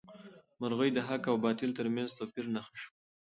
مرغۍ د حق او باطل تر منځ د توپیر نښه شوه.